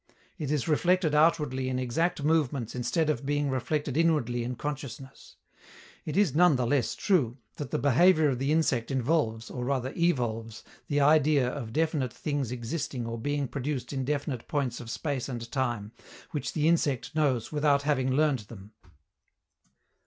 It is reflected outwardly in exact movements instead of being reflected inwardly in consciousness. It is none the less true that the behavior of the insect involves, or rather evolves, the idea of definite things existing or being produced in definite points of space and time, which the insect knows without having learned them.